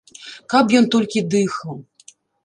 Каб ён толькі дыхаў.